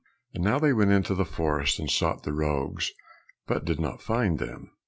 And now they went into the forest, and sought the rogues, but did not find them.